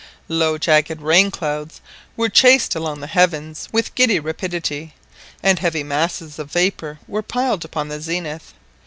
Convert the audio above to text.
Low jagged rain clouds were chased along the heavens with giddy rapidity, and heavy masses of vapour were piled upon the zenith.